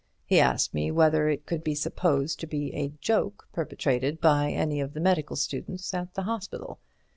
He asked me whether it could be supposed to be a joke perpetrated by any of the medical students at the hospital.